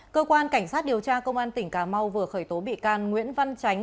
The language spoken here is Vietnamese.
cơ quan cảnh sát điều tra công an tỉnh cà mau vừa khởi tố bị can nguyễn văn tránh